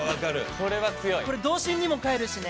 これ童心にも返るしね。